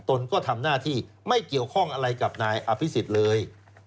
ตนก็ทำหน้าที่ไม่เกี่ยวข้องอะไรกับนายอภิษฎเลย